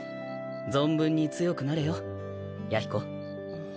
存分に強くなれよ弥彦。